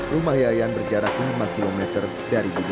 rumah yayan berjaraknya empat kilometer dari di rumah pantai